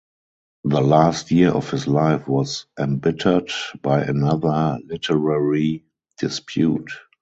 The last year of his life was embittered by another literary dispute.